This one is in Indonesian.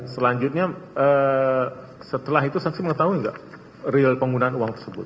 selanjutnya setelah itu saksi mengetahui nggak real penggunaan uang tersebut